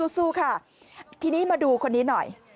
สู้ค่ะทีนี้มาดูคนนี้หน่อย